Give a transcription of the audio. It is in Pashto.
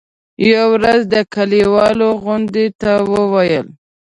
يوه ورځ د کلیوالو غونډې ته وویل.